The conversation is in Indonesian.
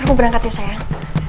aku berangkat ya sayang